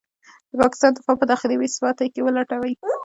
د پاکستان دفاع په داخلي بې ثباتۍ کې ولټوي.